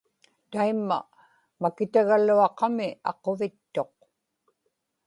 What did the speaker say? taimma makitagaluaqami aquvittuq